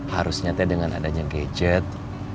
harusnya dengan adanya gadget